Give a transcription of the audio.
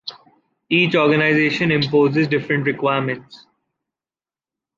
Each organization imposes different requirements.